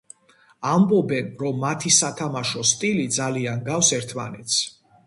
ამბობენ, რომ მათი სათამაშო სტილი ძალიან გავს ერთმანეთს.